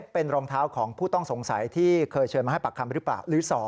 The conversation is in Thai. เป็นรองเท้าของผู้ต้องสงสัยที่เคยเชิญมาให้ปากคำหรือเปล่าหรือ๒